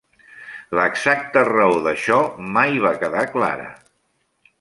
L'exacta raó d'això mai va quedar clara.